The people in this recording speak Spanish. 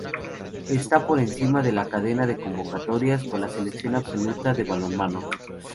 Está por encima de la centena de convocatorias con la Selección absoluta de balonmano.